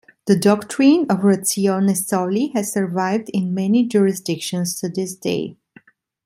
The doctrine of "ratione soli" has survived in many jurisdictions to this day.